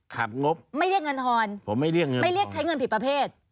ครับงบผมไม่เรียกเงินผิดประเภทค่ะขับงบ